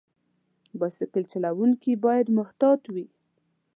بایسکل چلونکي باید محتاط وي.